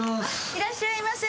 いらっしゃいませ！